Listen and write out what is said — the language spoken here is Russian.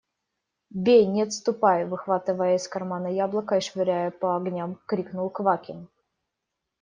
– Бей, не отступай! – выхватывая из кармана яблоко и швыряя по огням, крикнул Квакин.